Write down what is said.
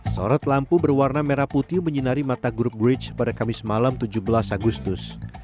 sorot lampu berwarna merah putih menyinari mata grup bridge pada kamis malam tujuh belas agustus